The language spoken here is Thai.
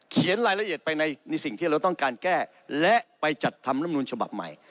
เขียนรายละเอียดไปในสิ่งที่เราต้องการแก้และไปจัดทำลำนูลฉบับใหม่